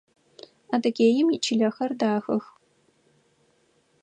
Адыгеим ичылэхэр дахэх.